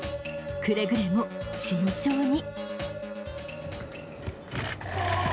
くれぐれも慎重に。